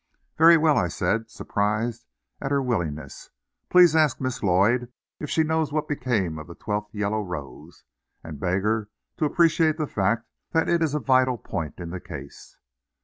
"Very well," I said, surprised at her willingness; "please ask Miss Lloyd if she knows what became of the twelfth yellow rose; and beg her to appreciate the fact that it is a vital point in the case."